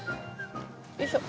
よいしょ。